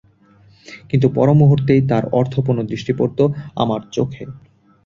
কিন্তু পরমুহুর্তেই তার অর্থপূর্ণ দৃষ্টি পড়ত আমার চোখে।